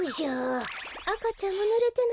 あかちゃんはぬれてない？